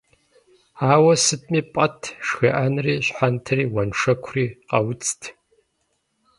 Ар ауэ сытми пӀэт, шхыӀэнри, щхьэнтэри, уэншэкури къауцт.